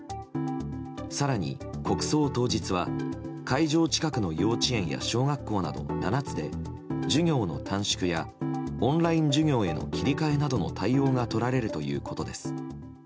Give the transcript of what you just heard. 更に、国葬当日は会場近くの幼稚園や小学校など７つで授業の短縮やオンライン授業への切り替えなどの対応がとられるということです。